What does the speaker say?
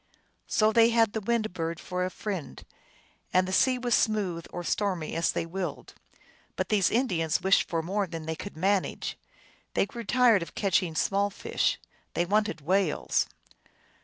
So they had the Wind Bird for a friend, and the sea was smooth or stormy as they willed. But these Indians wished for more than they could manage. They grew tired of catching small fish ; they wanted whales.